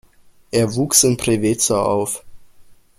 Er wuchs in Preveza auf.